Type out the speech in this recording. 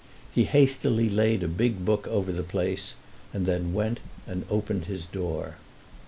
He hastily laid a big book over the place and then went and opened his door.